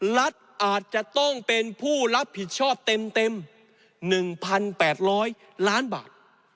รัฐอาจจะต้องเป็นผู้รับผิดชอบเต็ม๑๘๐๐ล้านบาท